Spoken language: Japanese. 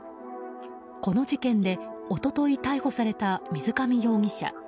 この事件で一昨日、逮捕された水上容疑者。